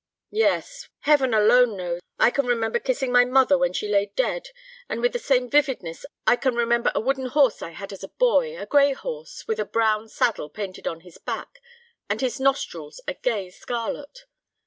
"Yes; why, Heaven alone knows! I can remember kissing my mother when she lay dead. And with the same vividness I can remember a wooden horse I had as a boy, a gray horse with a brown saddle painted on his back, and his nostrils a gay scarlet.